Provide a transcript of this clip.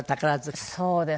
そうですね